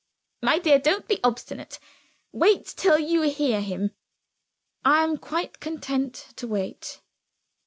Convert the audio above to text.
"My dear, don't be obstinate. Wait till you hear him." "I am quite content to wait."